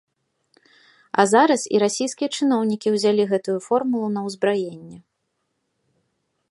А зараз і расійскія чыноўнікі ўзялі гэтую формулу на ўзбраенне.